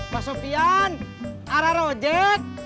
pak sofian arah rojek